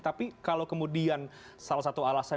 tapi kalau kemudian salah satu alasan